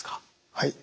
はい。